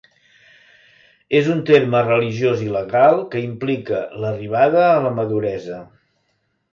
És un terme religiós i legal que implica l'arribada a la maduresa.